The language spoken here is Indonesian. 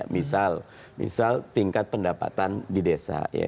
misal misal tingkat pendapatan di desa